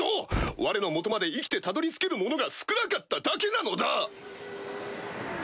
われの元まで生きてたどり着ける者が少なかっただけなのだ！